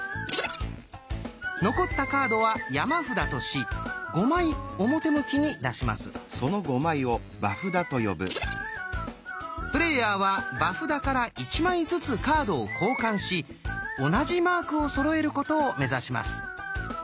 残ったカードは山札としプレーヤーは場札から１枚ずつカードを交換し同じマークをそろえることを目指します。